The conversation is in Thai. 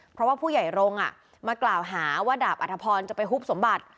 เพราะว่าผู้ใหญ่รงค์มากล่าวหาว่าดาบอัธพรจะไปฮุบสมบัติ